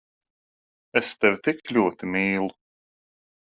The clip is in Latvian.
Es tevi tik ļoti mīlu…